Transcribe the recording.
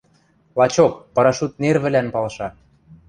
Лачок, парашют нервӹлӓн палша.